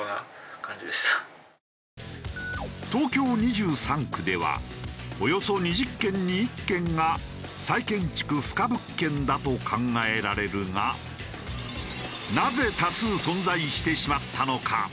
東京２３区ではおよそ２０軒に１軒が再建築不可物件だと考えられるがなぜ多数存在してしまったのか？